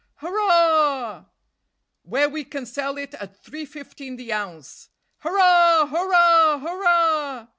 "Hurrah!" "Where we can sell it at three fifteen the ounce." "Hurrah! hurrah! hurrah!"